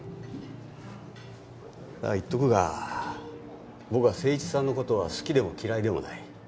だが言っとくが僕は誠一さんのことは好きでも嫌いでもない。